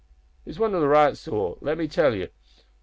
He's one o' the right sort, let me tell ye.